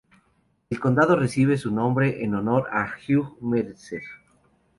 El condado recibe su nombre en honor a Hugh Mercer.